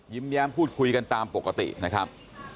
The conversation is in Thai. แย้มพูดคุยกันตามปกตินะครับ